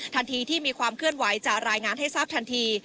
ทันทีที่มีความเคลื่อนไหวจะรายงานให้ทราบทันที